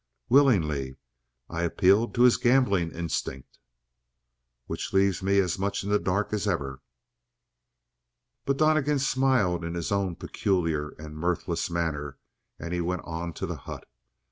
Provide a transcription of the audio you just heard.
"Willingly. I appealed to his gambling instinct." "Which leaves me as much in the dark as ever." But Donnegan smiled in his own peculiar and mirthless manner and he went on to the hut.